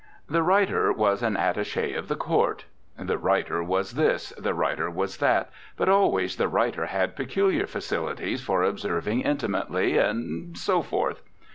The writer was an attache of the court," the writer was this, the writer was that, but always the writer had peculiar facilities for observing intimately and so forth.